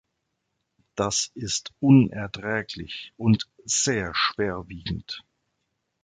Das ist unerträglich und sehr schwerwiegend.